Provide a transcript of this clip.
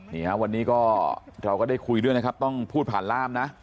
นี่ฮะวันนี้ก็เราก็ได้คุยด้วยนะครับต้องพูดผ่านร่ามนะ